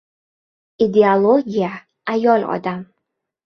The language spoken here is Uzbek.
Ideologiya ayol odam.